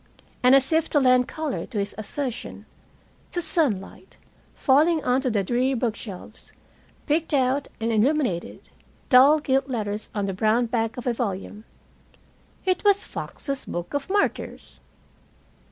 And, as if to lend color to his assertion, the sunlight, falling onto the dreary bookshelves, picked out and illuminated dull gilt letters on the brown back of a volume. It was Fox's Book of Martyrs!